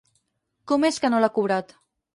Com és que no l'ha cobrat?